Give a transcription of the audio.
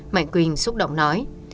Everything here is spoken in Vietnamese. mạnh quỳnh xúc động nói